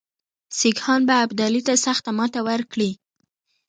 سیکهان به ابدالي ته سخته ماته ورکړي.